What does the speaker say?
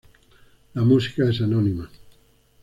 La música es anónima.